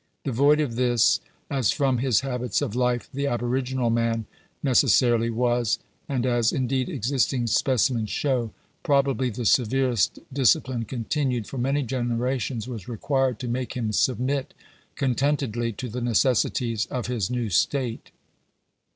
Devoid of this, as from his habits of life the aboriginal man necessarily was (and as, indeed, existing spe cimens show), probably the severest discipline continued for many generations was required to make him submit contentedly to the necessities of his new state.